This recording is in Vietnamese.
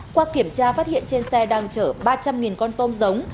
qua kiểm tra phát hiện trên xe đang chở ba trăm linh con tôm giống